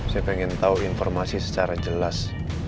saya pengen tau informasi secara jelas